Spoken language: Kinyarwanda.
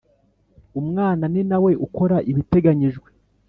Umwana ninawe ukora ibiteganyijwe.